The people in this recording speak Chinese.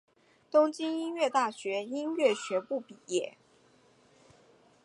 东京音乐大学音乐学部毕业。